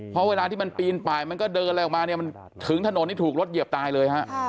เพราะเวลาที่มันปีนไปมันก็เดินอะไรออกมาเนี่ยมันถึงถนนที่ถูกรถเหยียบตายเลยฮะ